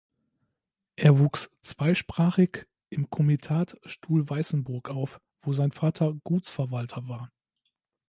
Er wuchs zweisprachig im Komitat Stuhlweißenburg auf, wo sein Vater Gutsverwalter war.